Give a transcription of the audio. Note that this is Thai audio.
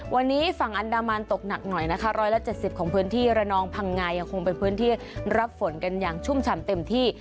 วันนี้ฝั่งอันดามันตกหนักหน่อยนะคะ๑๗๐ของพื้นที่ระนองพังงายังคงเป็นพื้นที่รับฝนกันอย่างชุ่มฉ่ำเต็มที่